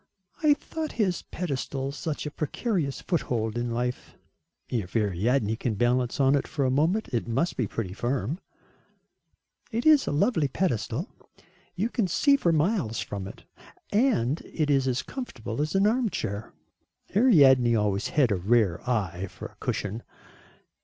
"I thought his pedestal such a precarious foothold in life." "If Ariadne can balance on it for a moment, it must be pretty firm." "It is a lovely pedestal. You can see for miles from it, and it is as comfortable as an armchair." "Ariadne always had a rare eye for a cushion."